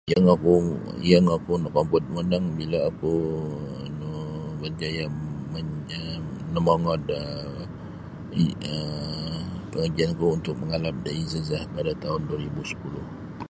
Yang oku yang oku nokompod monong bila oku nu berjaya nomongo da um pengajianku untuk mangalap da ijazah pada tahun 2010.